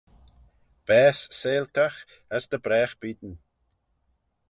Baase seihltagh as dy bragh beayn.